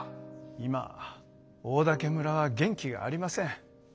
今オオダケ村は元気がありません。